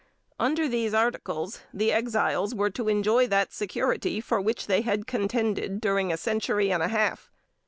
Under these articles, the Exiles were to enjoy that security for which they had contended during a century and a half.